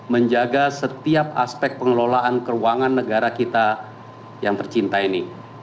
menjaga setiap aspek pengelolaan keuangan negara kita yang tercinta ini